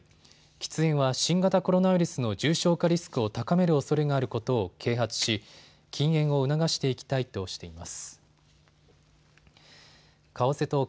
喫煙は新型コロナウイルスの重症化リスクを高めるおそれがあることを啓発し禁煙を促していきたいとしています。